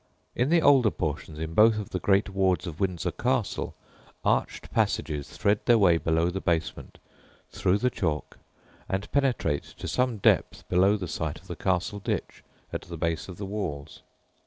In the older portions in both of the great wards of Windsor Castle arched passages thread their way below the basement, through the chalk, and penetrate to some depth below the site of the castle ditch at the base of the walls.